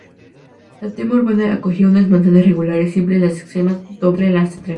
La trama urbana acogía unas manzanas regulares, simples las extremas, doble la central.